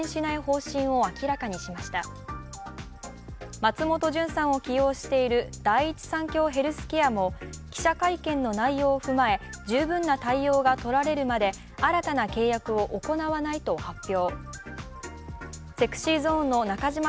松本潤さんを起用している第一三共ヘルスケアも記者会見の内容を踏まえ、十分な対応がとられるまで新たな契約を行わないと発表。